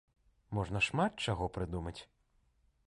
Можна шмат чаго прыдумаць.